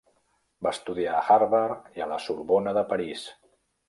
Va estudiar a Harvard i a la Sorbona de París.